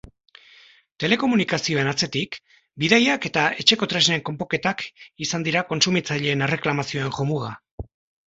Telekomunikazioen atzetik, bidaiak eta etxeko tresnen konponketak izan dira kontsumitzaileen erreklamazioen jomuga.